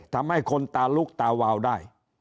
ทำให้คนตาลุกตาวาวได้